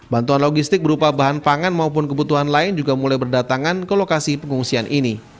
bantuan logistik berupa bahan pangan maupun kebutuhan lain juga mulai berdatangan ke lokasi pengungsian ini